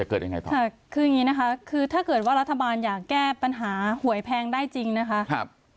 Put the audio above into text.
เกิดยังไงต่อค่ะคืออย่างนี้นะคะคือถ้าเกิดว่ารัฐบาลอยากแก้ปัญหาหวยแพงได้จริงนะคะ